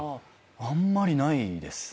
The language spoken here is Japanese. あんまりないです。